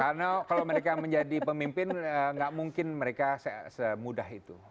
karena kalau mereka menjadi pemimpin gak mungkin mereka semudah itu